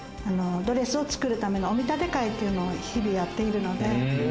ドレスを作るための、お見立て会っていうのを日々やっているので。